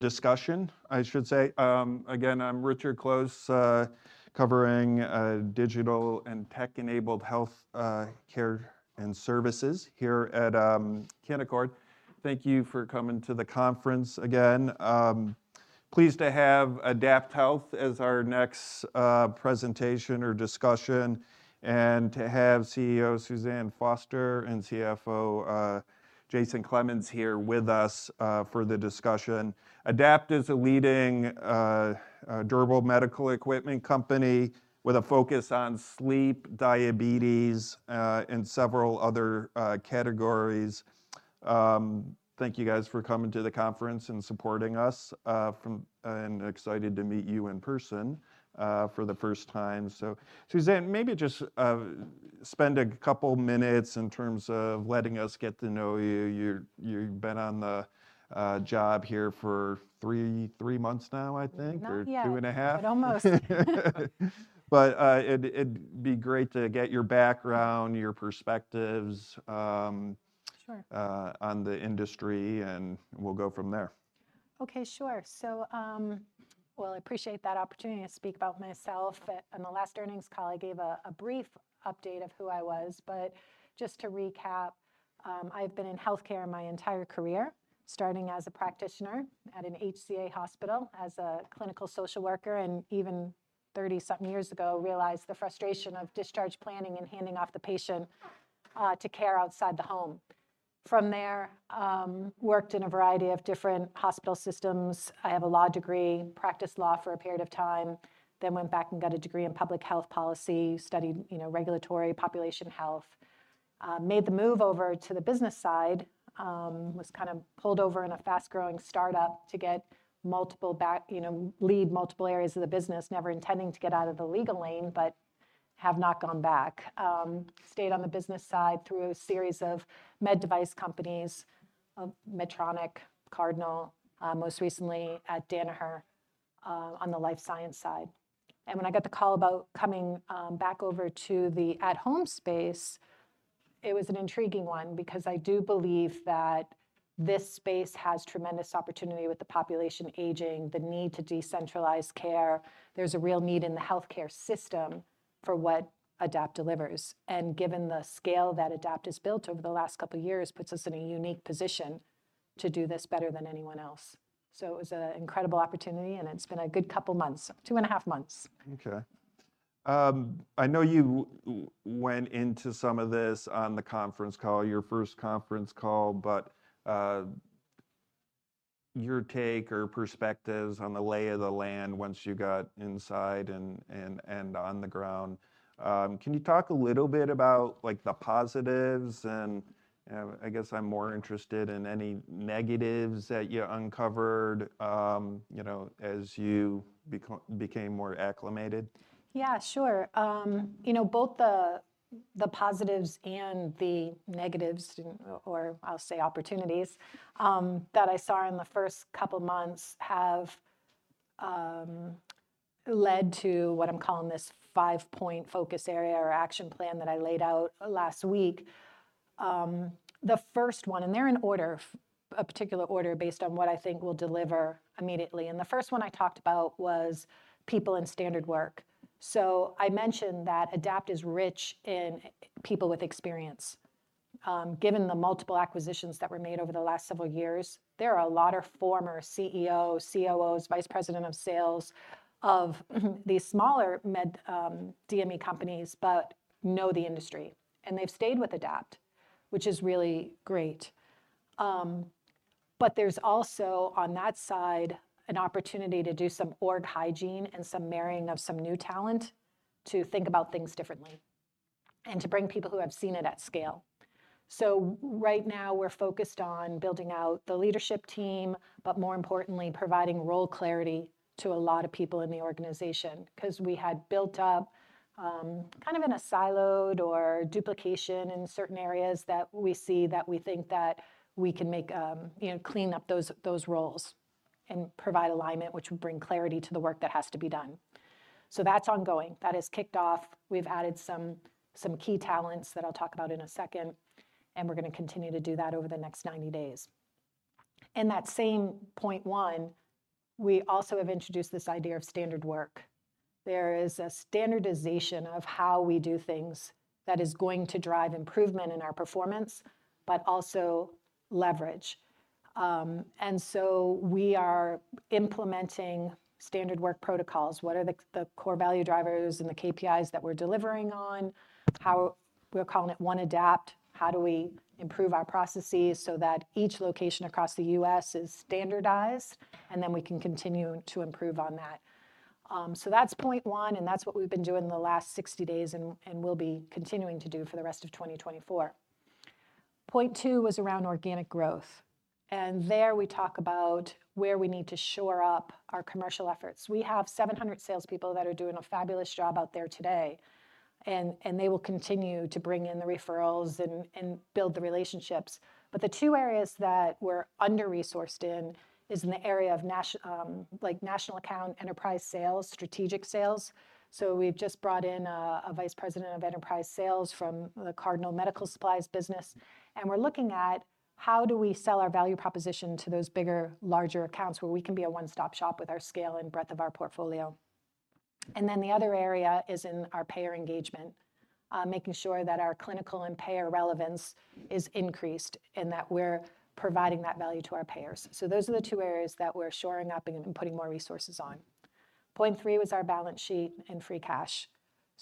discussion, I should say. Again, I'm Richard Close, covering Digital and Tech-enabled Healthcare and Services here at Canaccord. Thank you for coming to the conference again. Pleased to have AdaptHealth as our next presentation or discussion, and to have CEO Suzanne Foster and CFO Jason Clemens here with us for the discussion. AdaptHealth is a leading durable medical equipment company with a focus on sleep, diabetes, and several other categories. Thank you guys for coming to the conference and supporting us and excited to meet you in person for the first time. So Suzanne, maybe just spend a couple minutes in terms of letting us get to know you. You've been on the job here for three months now, I think? Not yet. Or 2.5. But almost. But, it'd be great to get your background, your perspectives. Sure. On the industry, and we'll go from there. Okay, sure. So, well, I appreciate that opportunity to speak about myself. On the last Earnings Call, I gave a brief update of who I was, but just to recap, I've been in healthcare my entire career, starting as a practitioner at an HCA hospital, as a clinical social worker, and even 30-something years ago, realized the frustration of discharge planning and handing off the patient to care outside the home. From there, worked in a variety of different hospital systems. I have a law degree, practiced law for a period of time, then went back and got a degree in public health policy, studied, you know, regulatory, population health. Made the move over to the business side, was kind of pulled over in a fast-growing start-up to get multiple back... You know, lead multiple areas of the business, never intending to get out of the legal lane, but have not gone back. Stayed on the business side through a series of med device companies, of Medtronic, Cardinal, most recently at Danaher, on the life science side. And when I got the call about coming back over to the at-home space, it was an intriguing one, because I do believe that this space has tremendous opportunity with the population aging, the need to decentralize care. There's a real need in the healthcare system for what Adapt delivers, and given the scale that Adapt has built over the last couple of years, puts us in a unique position to do this better than anyone else. So it was an incredible opportunity, and it's been a good couple months. 2.5 months. Okay. I know you went into some of this on the conference call, your first conference call, but your take or perspectives on the lay of the land once you got inside and on the ground. Can you talk a little bit about, like, the positives and I guess I'm more interested in any negatives that you uncovered, you know, as you became more acclimated? Yeah, sure. You know, both the positives and the negatives, or I'll say opportunities, that I saw in the first couple months have led to what I'm calling this five-point focus area or action plan that I laid out last week. The first one, and they're in order, a particular order based on what I think will deliver immediately, and the first one I talked about was people in standard work. So I mentioned that Adapt is rich in people with experience. Given the multiple acquisitions that were made over the last several years, there are a lot of former CEOs, COOs, Vice President of Sales, of these smaller med DME companies, but know the industry, and they've stayed with Adapt, which is really great. But there's also, on that side, an opportunity to do some org hygiene and some marrying of some new talent to think about things differently, and to bring people who have seen it at scale. So right now, we're focused on building out the leadership team, but more importantly, providing role clarity to a lot of people in the organization. 'Cause we had built up, kind of in a siloed or duplication in certain areas that we see that we think that we can make, you know, clean up those, those roles, and provide alignment, which would bring clarity to the work that has to be done. So that's ongoing. That has kicked off. We've added some key talents that I'll talk about in a second, and we're gonna continue to do that over the next 90 days. In that same point one, we also have introduced this idea of standard work. There is a standardization of how we do things that is going to drive improvement in our performance, but also leverage. And so we are implementing standard work protocols. What are the core value drivers and the KPIs that we're delivering on? How we're calling it One Adapt, how do we improve our processes so that each location across the U.S. is standardized, and then we can continue to improve on that. So that's point one, and that's what we've been doing the last 60 days, and we'll be continuing to do for the rest of 2024. Point two was around organic growth, and there we talk about where we need to shore up our commercial efforts. We have 700 salespeople that are doing a fabulous job out there today, and they will continue to bring in the referrals and build the relationships. But the two areas that we're under-resourced in is in the area of national account enterprise sales, strategic sales. So we've just brought in a Vice President of Enterprise Sales from the Cardinal Medical Supplies business, and we're looking at how do we sell our value proposition to those bigger, larger accounts, where we can be a one-stop shop with our scale and breadth of our portfolio? And then the other area is in our payer engagement, making sure that our clinical and payer relevance is increased, and that we're providing that value to our payers. So those are the two areas that we're shoring up and putting more resources on. Point three was our balance sheet and free cash.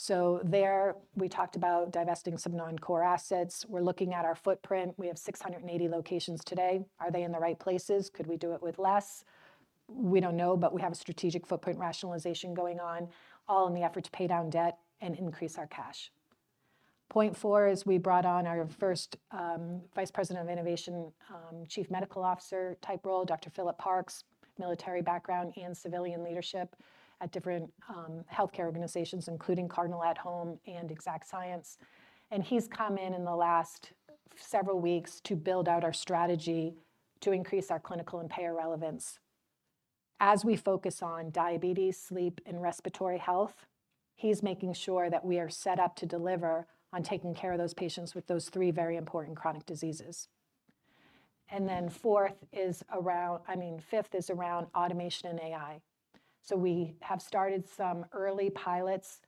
So there, we talked about divesting some non-core assets. We're looking at our footprint. We have 680 locations today. Are they in the right places? Could we do it with less? We don't know, but we have a strategic footprint rationalization going on, all in the effort to pay down debt and increase our cash. Point four is we brought on our first, vice president of innovation, chief medical officer type role, Dr. Philip Parks, military background and civilian leadership at different, healthcare organizations, including Cardinal Health and Exact Sciences. And he's come in in the last several weeks to build out our strategy to increase our clinical and payer relevance. As we focus on diabetes, sleep, and respiratory health, he's making sure that we are set up to deliver on taking care of those patients with those three very important chronic diseases. And then fourth is around—I mean, fifth is around automation and AI. So we have started some early pilots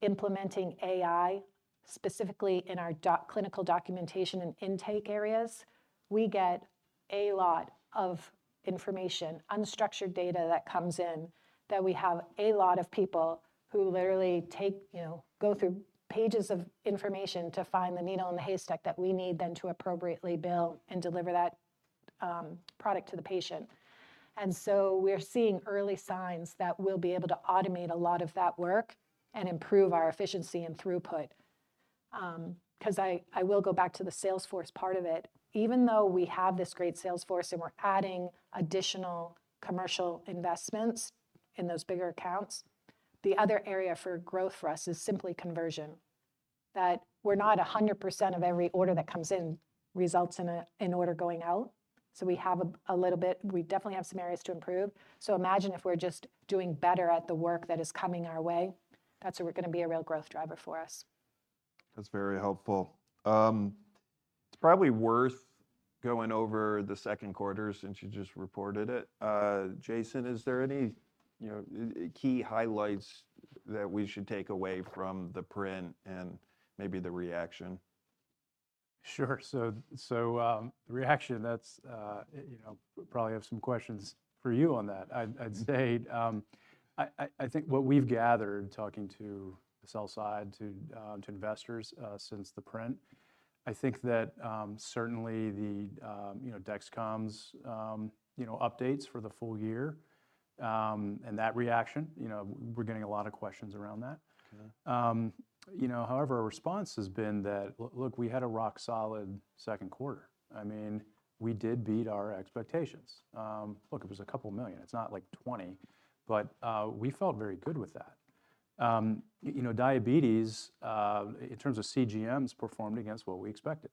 implementing AI, specifically in our clinical documentation and intake areas. We get a lot of information, unstructured data that comes in, that we have a lot of people who literally take, you know, go through pages of information to find the needle in the haystack that we need then to appropriately bill and deliver that product to the patient. And so we're seeing early signs that we'll be able to automate a lot of that work, and improve our efficiency and throughput. 'Cause I will go back to the sales force part of it. Even though we have this great sales force, and we're adding additional commercial investments in those bigger accounts, the other area for growth for us is simply conversion. That we're not 100% of every order that comes in results in an order going out, so we have a little bit, we definitely have some areas to improve. So imagine if we're just doing better at the work that is coming our way, that's where we're gonna be a real growth driver for us. That's very helpful. It's probably worth going over the second quarter since you just reported it. Jason, is there any, you know, key highlights that we should take away from the print and maybe the reaction? Sure, so, the reaction, that's, you know, probably have some questions for you on that. I'd say, I think what we've gathered talking to the sell side, to, to investors, since the print, I think that, certainly the, you know, Dexcom's, you know, updates for the full year, and that reaction, you know, we're getting a lot of questions around that. Yeah. You know, however, our response has been that, look, we had a rock solid second quarter. I mean, we did beat our expectations. Look, it was couple million. It's not like $20 million, but, we felt very good with that. You know, diabetes in terms of CGMs performed against what we expected.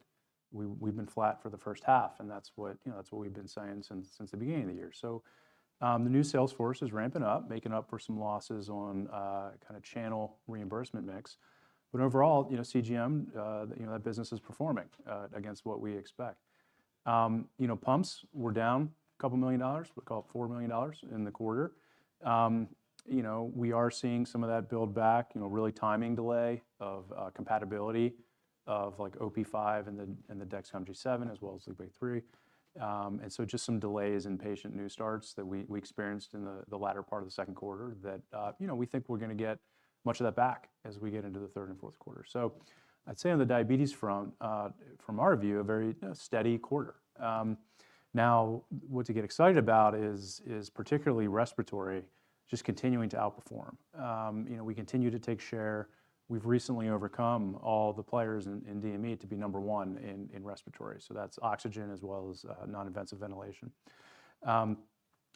We've been flat for the first half, and that's what, you know, that's what we've been saying since the beginning of the year. So, the new sales force is ramping up, making up for some losses on kind of channel reimbursement mix. But overall, you know, CGM, you know, that business is performing against what we expect. You know, pumps were down $2 million, we call it $4 million in the quarter. You know, we are seeing some of that build back, you know, really timing delay of, compatibility of, like, OP5 and the Dexcom G7, as well as Libre 3. And so just some delays in patient new starts that we experienced in the latter part of the second quarter that, you know, we think we're gonna get much of that back as we get into the third and fourth quarter. So I'd say on the diabetes front, from our view, a very steady quarter. Now, what to get excited about is particularly respiratory just continuing to outperform. You know, we continue to take share. We've recently overcome all the players in DME to be number one in respiratory, so that's oxygen as well as non-invasive ventilation.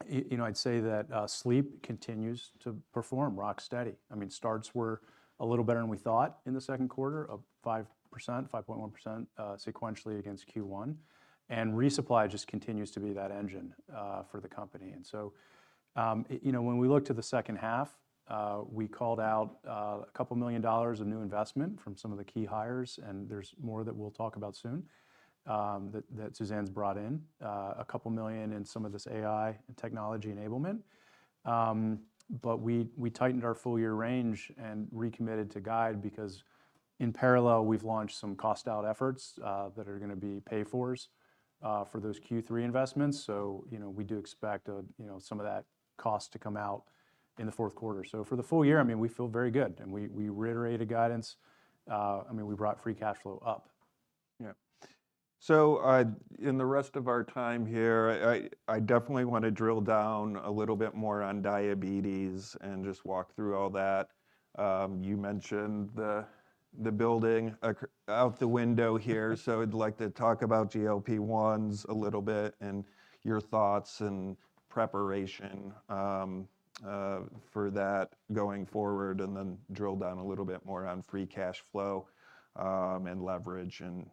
You know, I'd say that sleep continues to perform rock steady. I mean, starts were a little better than we thought in the second quarter, up 5%, 5.1% sequentially against Q1, and resupply just continues to be that engine for the company. And so, you know, when we look to the second half, we called out a couple million dollars of new investment from some of the key hires, and there's more that we'll talk about soon, that Suzanne's brought in. A couple million in some of this AI and technology enablement. But we tightened our full year range and recommitted to guide, because in parallel, we've launched some cost out efforts that are gonna be pay-fors for those Q3 investments. So, you know, we do expect, you know, some of that cost to come out in the fourth quarter. So for the full year, I mean, we feel very good, and we reiterated guidance. I mean, we brought free cash flow up. Yeah. So, in the rest of our time here, I definitely wanna drill down a little bit more on diabetes and just walk through all that. You mentioned the building out the window here, so I'd like to talk about GLP-1s a little bit, and your thoughts and preparation for that going forward, and then drill down a little bit more on free cash flow, and leverage and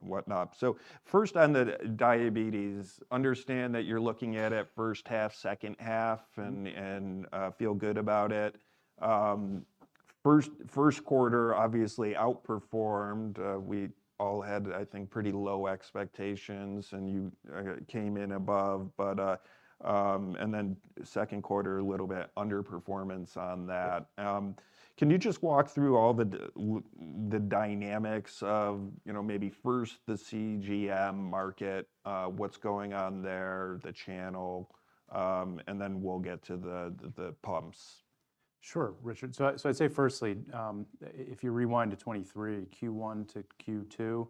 whatnot. So first on the diabetes, understand that you're looking at it first half, second half, and feel good about it. First, first quarter obviously outperformed. We all had, I think, pretty low expectations, and you came in above. But, and then second quarter, a little bit underperformance on that. Can you just walk through all the dynamics of, you know, maybe first the CGM market, what's going on there, the channel, and then we'll get to the pumps? Sure, Richard. So I'd say firstly, if you rewind to 2023, Q1 to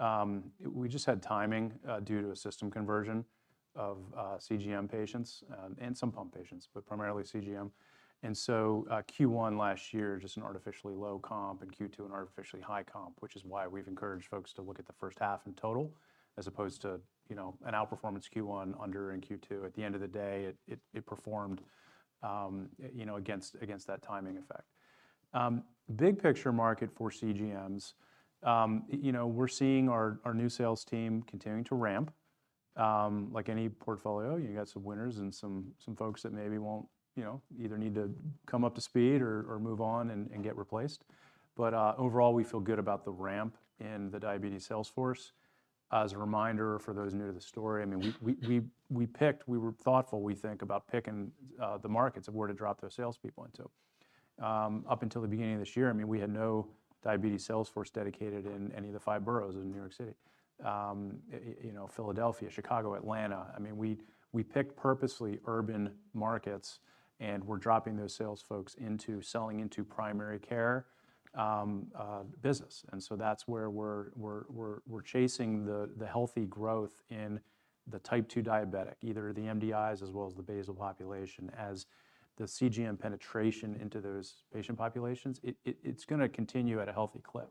Q2, we just had timing due to a system conversion of CGM patients and some pump patients, but primarily CGM. So, Q1 last year, just an artificially low comp, and Q2 an artificially high comp, which is why we've encouraged folks to look at the first half in total, as opposed to, you know, an outperformance Q1, under in Q2. At the end of the day, it performed, you know, against that timing effect. Big picture market for CGMs, you know, we're seeing our new sales team continuing to ramp. Like any portfolio, you got some winners and some folks that maybe won't, you know, either need to come up to speed or move on and get replaced. But overall, we feel good about the ramp in the diabetes sales force. As a reminder, for those new to the story, I mean, we picked. We were thoughtful, we think, about picking the markets of where to drop those salespeople into. Up until the beginning of this year, I mean, we had no diabetes sales force dedicated in any of the five boroughs in New York City. You know, Philadelphia, Chicago, Atlanta, I mean, we picked purposely urban markets, and we're dropping those sales folks into selling into primary care business. And so that's where we're chasing the healthy growth in the Type 2 diabetic, either the MDIs as well as the basal population. As the CGM penetration into those patient populations, it's gonna continue at a healthy clip.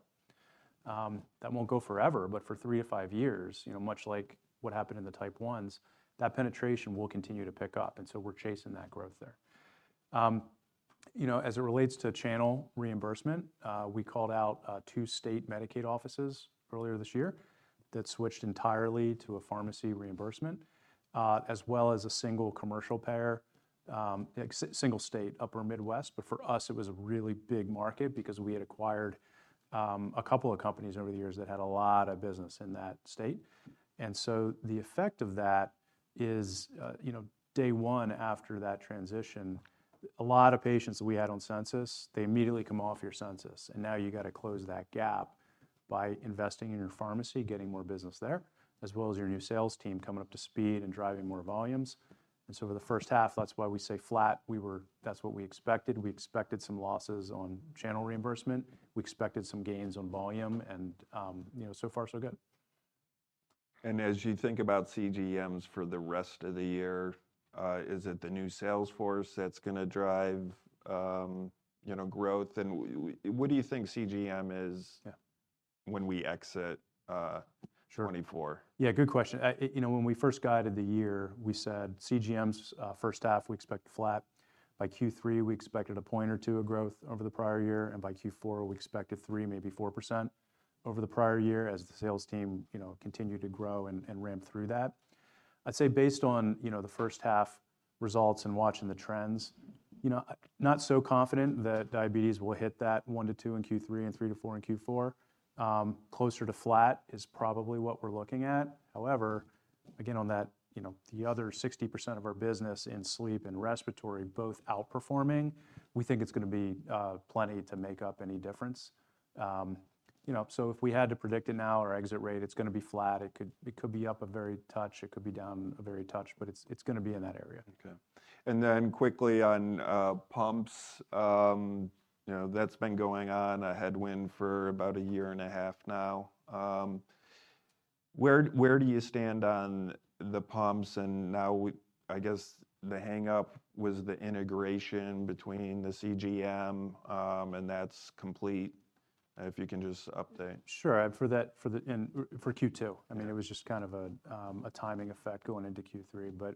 That won't go forever, but for 3-5 years, you know, much like what happened in the Type 1s, that penetration will continue to pick up, and so we're chasing that growth there. You know, as it relates to channel reimbursement, we called out two state Medicaid offices earlier this year that switched entirely to a pharmacy reimbursement, as well as a single commercial payer, ex. Single state, Upper Midwest, but for us, it was a really big market because we had acquired a couple of companies over the years that had a lot of business in that state. And so the effect of that is, you know, day one after that transition, a lot of patients that we had on census, they immediately come off your census, and now you gotta close that gap by investing in your pharmacy, getting more business there, as well as your new sales team coming up to speed and driving more volumes. And so for the first half, that's why we say flat. We were-- That's what we expected. We expected some losses on channel reimbursement. We expected some gains on volume, and, you know, so far, so good. As you think about CGMs for the rest of the year, is it the new sales force that's gonna drive, you know, growth? And what do you think CGM is. Yeah. When we exit. Sure. 2024? Yeah, good question. You know, when we first guided the year, we said CGMs, first half, we expect flat. By Q3, we expected a point or two of growth over the prior year, and by Q4, we expected 3%, maybe 4% over the prior year, as the sales team, you know, continued to grow and ramp through that. I'd say based on, you know, the first half results and watching the trends, you know, not so confident that diabetes will hit that 1-2 in Q3 and 3-4 in Q4. Closer to flat is probably what we're looking at. However, again, on that, you know, the other 60% of our business in sleep and respiratory, both outperforming, we think it's gonna be plenty to make up any difference. You know, so if we had to predict it now, our exit rate, it's gonna be flat. It could be up a very touch, it could be down a very touch, but it's gonna be in that area. Okay. And then quickly on pumps. You know, that's been going on a headwind for about a year and a half now. Where do you stand on the pumps? And now I guess the hang-up was the integration between the CGM, and that's complete. If you can just update. Sure, for that, for the and for Q2. Yeah. I mean, it was just kind of a timing effect going into Q3. But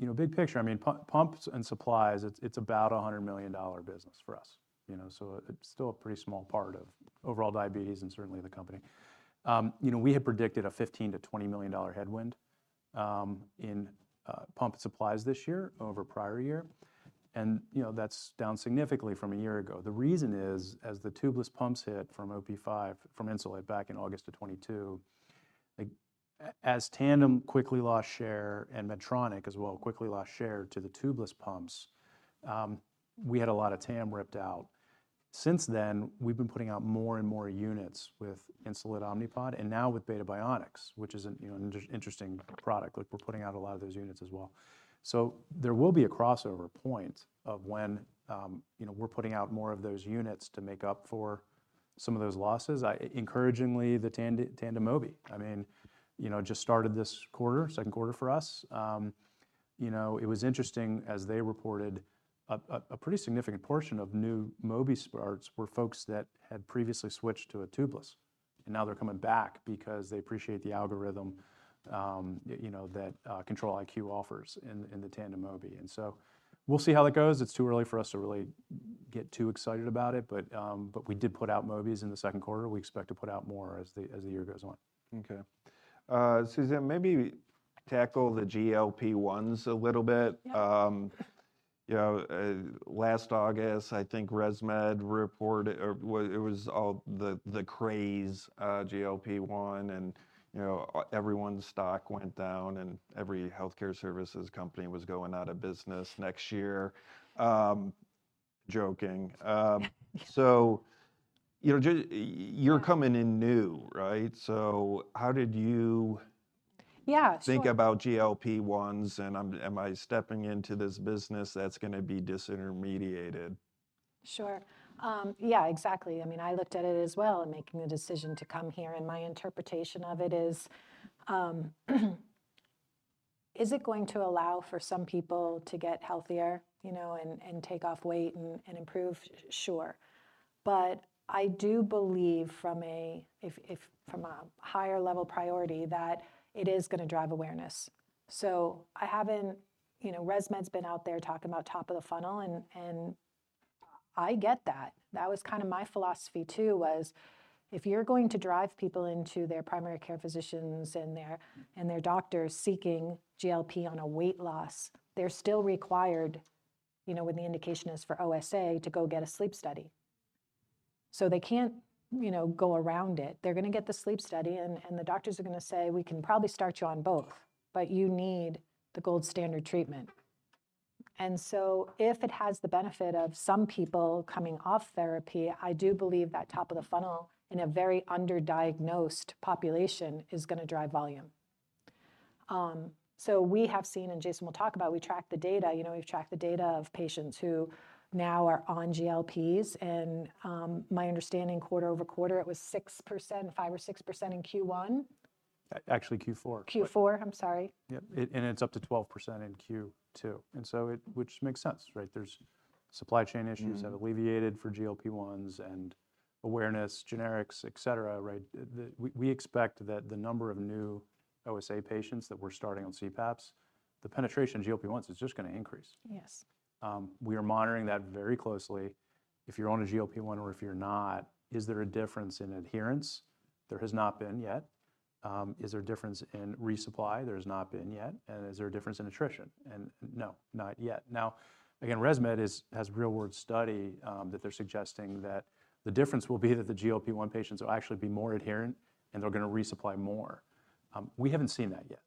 you know, big picture, I mean, pumps and supplies, it's, it's about a $100 million business for us, you know, so it's still a pretty small part of overall diabetes and certainly the company. You know, we had predicted a $15 million-$20 million headwind in pump supplies this year over prior year, and you know, that's down significantly from a year ago. The reason is, as the tubeless pumps hit from OP5, from Insulet back in August of 2022, like, as Tandem quickly lost share, and Medtronic as well, quickly lost share to the tubeless pumps, we had a lot of TAM ripped out. Since then, we've been putting out more and more units with Insulet Omnipod, and now with Beta Bionics, which is, you know, an interesting product, like, we're putting out a lot of those units as well. So there will be a crossover point of when, you know, we're putting out more of those units to make up for some of those losses. Encouragingly, the Tandem Mobi, I mean, you know, just started this quarter, second quarter for us. You know, it was interesting as they reported a pretty significant portion of new Mobi starts were folks that had previously switched to a tubeless, and now they're coming back because they appreciate the algorithm, you know, that Control-IQ offers in the Tandem Mobi. And so we'll see how that goes. It's too early for us to really get too excited about it, but, but we did put out Mobis in the second quarter. We expect to put out more as the year goes on. Okay. Suzanne, maybe tackle the GLP-1s a little bit. Yeah. You know, last August, I think ResMed reported, or it was all the craze, GLP-1, and, you know, everyone's stock went down, and every healthcare services company was going out of business next year. Joking. So you know, you're coming in new, right? So how did you. Yeah, sure. think about GLP-1s, and I'm... Am I stepping into this business that's gonna be disintermediated? Sure. Yeah, exactly. I mean, I looked at it as well in making the decision to come here, and my interpretation of it is, is it going to allow for some people to get healthier, you know, and take off weight and improve? Sure, but I do believe from a higher level priority, that it is gonna drive awareness. So I haven't... You know, ResMed's been out there talking about top of the funnel, and I get that. That was kind of my philosophy, too, was if you're going to drive people into their primary care physicians and their doctors seeking GLP on a weight loss, they're still required, you know, when the indication is for OSA, to go get a sleep study. So they can't, you know, go around it. They're gonna get the sleep study, and the doctors are gonna say, "We can probably start you on both, but you need the gold standard treatment." And so, if it has the benefit of some people coming off therapy, I do believe that top of the funnel, in a very under-diagnosed population, is gonna drive volume. So we have seen, and Jason will talk about, we track the data. You know, we've tracked the data of patients who now are on GLPs, and my understanding, quarter-over-quarter, it was 6%, 5% or 6% in Q1? Actually Q4. Q4, I'm sorry. Yep. It's up to 12% in Q2, and so it, which makes sense, right? There's supply chain issues.... that alleviated for GLP-1s, and awareness, generics, et cetera, right? We expect that the number of new OSA patients that we're starting on CPAPs, the penetration of GLP-1s is just gonna increase. Yes. We are monitoring that very closely. If you're on a GLP-1 or if you're not, is there a difference in adherence? There has not been yet. Is there a difference in resupply? There has not been yet. And is there a difference in attrition? And no, not yet. Now, again, ResMed has real-world study that they're suggesting that the difference will be that the GLP-1 patients will actually be more adherent, and they're gonna resupply more. We haven't seen that yet.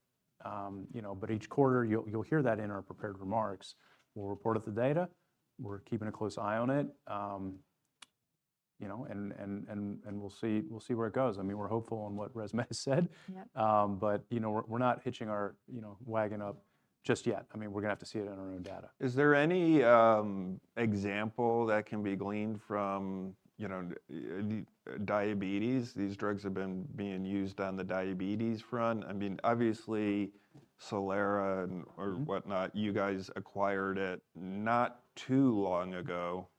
You know, but each quarter, you'll hear that in our prepared remarks. We'll report out the data. We're keeping a close eye on it. You know, and we'll see, we'll see where it goes. I mean, we're hopeful on what ResMed said. Yep. But you know, we're not hitching our, you know, wagon up just yet. I mean, we're gonna have to see it in our own data. Is there any example that can be gleaned from, you know, the diabetes? These drugs have been being used on the diabetes front. I mean, obviously, Solara and- Mm-hmm... or whatnot, you guys acquired it not too long ago.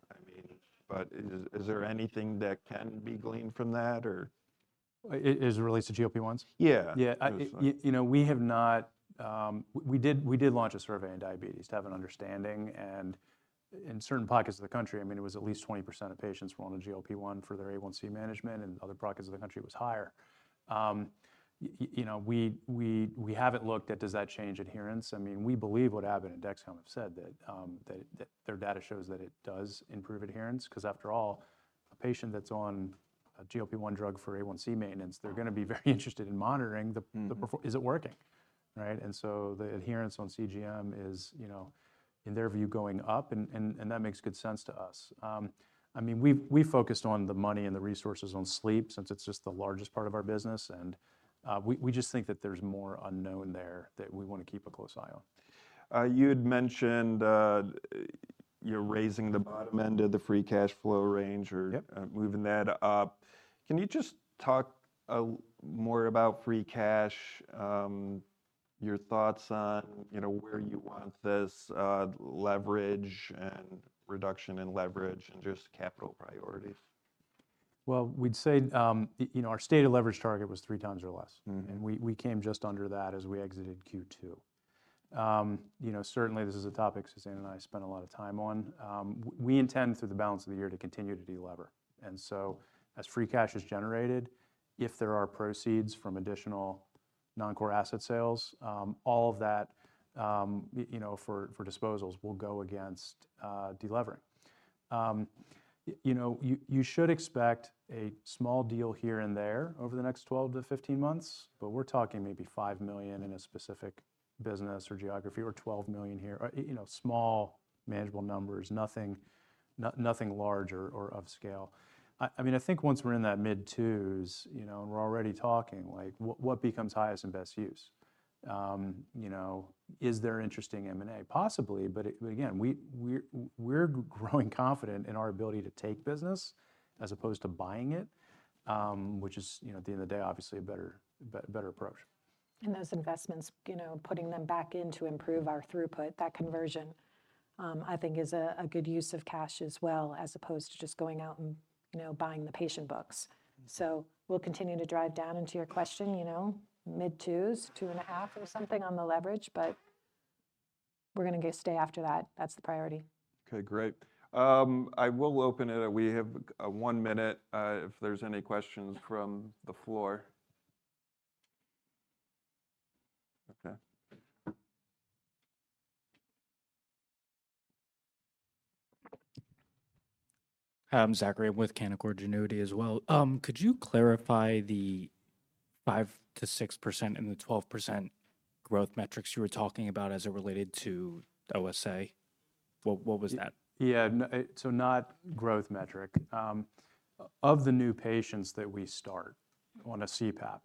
I mean, but is there anything that can be gleaned from that or? As it relates to GLP-1s? Yeah. Yeah. Yes, sir. You know, we have not. We did launch a survey on diabetes to have an understanding, and in certain pockets of the country, I mean, it was at least 20% of patients were on a GLP-1 for their A1C management, and other pockets of the country, it was higher. You know, we haven't looked at does that change adherence. I mean, we believe what Abbott and Dexcom have said, that their data shows that it does improve adherence. 'Cause after all, a patient that's on a GLP-1 drug for A1C maintenance- Mm They're gonna be very interested in monitoring the Mm Perform. Is it working, right? And so the adherence on CGM is, you know, in their view, going up, and that makes good sense to us. I mean, we've focused on the money and the resources on sleep, since it's just the largest part of our business, and we just think that there's more unknown there that we wanna keep a close eye on. You'd mentioned, you're raising the bottom end of the free cash flow range or. Yep Moving that up. Can you just talk more about free cash, your thoughts on, you know, where you want this leverage and reduction in leverage, and just capital priorities? Well, we'd say, you know, our stated leverage target was 3x or less. And we came just under that as we exited Q2. You know, certainly this is a topic Suzanne and I spent a lot of time on. We intend, through the balance of the year, to continue to delever, and so as free cash is generated, if there are proceeds from additional non-core asset sales, all of that, you know, for disposals, will go against delevering. You know, you should expect a small deal here and there over the next 12 to 15 months, but we're talking maybe $5 million in a specific business or geography, or $12 million here, or, you know, small, manageable numbers, nothing large or of scale. I mean, I think once we're in that mid-2s, you know, and we're already talking, like, what becomes highest and best use? You know, is there interesting M&A? Possibly, but again, we're growing confident in our ability to take business as opposed to buying it, which is, you know, at the end of the day, obviously a better approach. Those investments, you know, putting them back in to improve our throughput, that conversion, I think is a good use of cash as well, as opposed to just going out and, you know, buying the patient books. Mm. So we'll continue to drive down, and to your question, you know, mid-2s, 2.5 or something on the leverage, but we're gonna get stay after that. That's the priority. Okay, great. I will open it up. We have one minute if there's any questions from the floor. Okay. Zachary with Canaccord Genuity as well. Could you clarify the 5%-6% and the 12% growth metrics you were talking about as it related to OSA? What, what was that? Yeah, so not growth metric. Of the new patients that we start on a CPAP,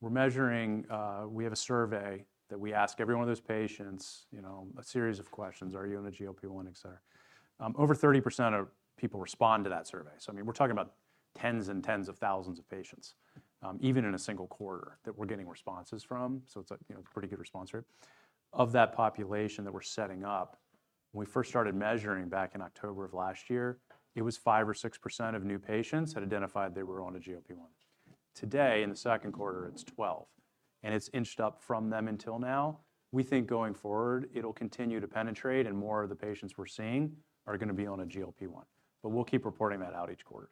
we're measuring. We have a survey that we ask every one of those patients, you know, a series of questions. "Are you on a GLP-1?" et cetera. Over 30% of people respond to that survey, so I mean, we're talking about tens and tens of thousands of patients, even in a single quarter, that we're getting responses from, so it's a, you know, pretty good response rate. Of that population that we're setting up, when we first started measuring back in October of last year, it was 5% or 6% of new patients had identified they were on a GLP-1. Today, in the second quarter, it's 12%, and it's inched up from then until now. We think going forward, it'll continue to penetrate, and more of the patients we're seeing are gonna be on a GLP-1. But we'll keep reporting that out each quarter.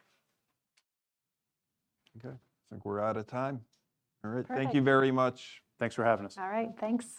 Okay, I think we're out of time. All right. Perfect. Thank you very much. Thanks for having us. All right, thanks.